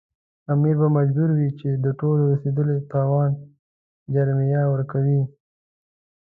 امیر به مجبور وي چې د ټولو رسېدلي تاوان جریمه ورکړي.